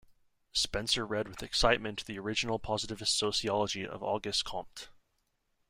Spencer read with excitement the original positivist sociology of Auguste Comte.